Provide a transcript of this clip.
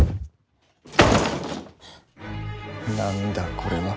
何だこれは。